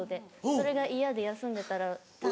それが嫌で休んでたら単位。